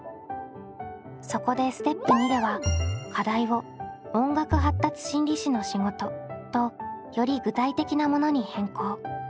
そこでステップ②では課題を「音楽発達心理士の仕事」とより具体的なものに変更。